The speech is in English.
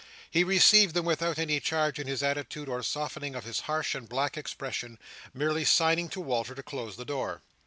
He received them without any change in his attitude or softening of his harsh and black expression: merely signing to Walter to close the door.